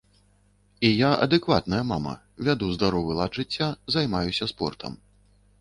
І я адэкватная мама, вяду здаровы лад жыцця, займаюся спортам.